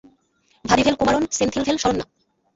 Vadivel Kumaran, Senthilvel, Saranya.